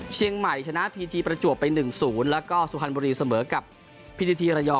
เชียงใหม่ชนะพีทีประจวบไปหนึ่งศูนย์แล้วก็สุฮัณบุรีเสมอกับพีทีทีระยอง